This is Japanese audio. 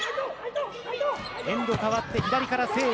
エンド変わって、左から誠英。